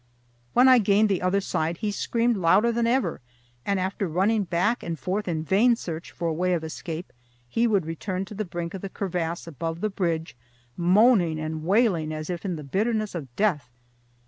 When I gained the other side, he screamed louder than ever, and after running back and forth in vain search for a way of escape, he would return to the brink of the crevasse above the bridge, moaning and wailing as if in the bitterness of death.